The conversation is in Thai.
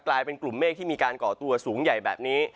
กลายเป็นกลุ่มเมฆที่มีการก่อตัวสูงใหญ่แบบนี้